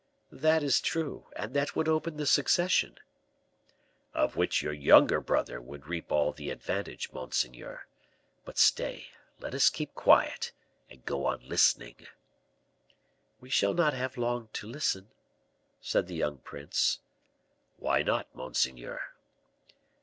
"That is true, and that would open the succession." "Of which your younger brother would reap all the advantage, monseigneur. But stay, let us keep quiet, and go on listening." "We shall not have long to listen," said the young prince. "Why not, monseigneur?"